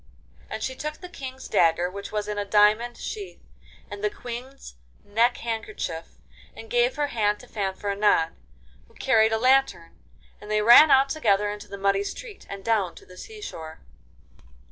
Then she took the King's dagger, which was in a diamond sheath, and the Queen's neck handkerchief, and gave her hand to Fanfaronade, who carried a lantern, and they ran out together into the muddy street and down to the sea shore.